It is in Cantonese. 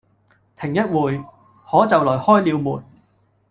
停一會，可就來開了門。